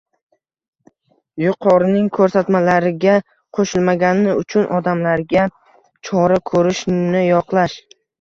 «yuqorining ko‘rsatmalari»ga qo‘shilmagani uchun odamlarga «chora ko‘rish»ni yoqlash;